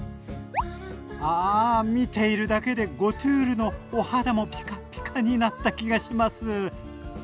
あ見ているだけでゴトゥールのお肌もピカピカになった気がします。